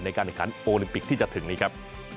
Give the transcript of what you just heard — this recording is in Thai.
ในการแข่งขันโอลิมปิกที่จะถึงนี้ครับ